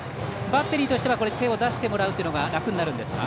バッテリーとしては手を出してもらうと楽になるんですか？